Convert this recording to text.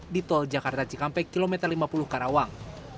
di tol jakarta cikampek kilometer lima puluh karawang